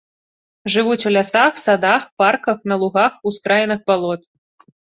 Жывуць у лясах, садах, парках, на лугах, ускраінах балот.